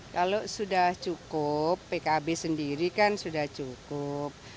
kalau sudah cukup pkb sendiri kan sudah cukup